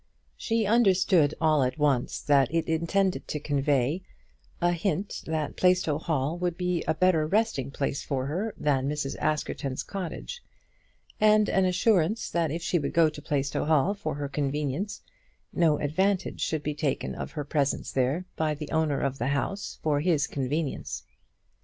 She understood at once all that it intended to convey, a hint that Plaistow Hall would be a better resting place for her than Mrs. Askerton's cottage; and an assurance that if she would go to Plaistow Hall for her convenience, no advantage should be taken of her presence there by the owner of the house for his convenience.